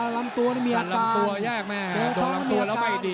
ลำตัวมีอาการ